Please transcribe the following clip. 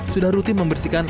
sudah rutin membersihkan sampah